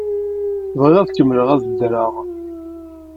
Bɣiɣ ad kemmleɣ ad ddreɣ.